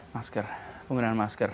masker penggunaan masker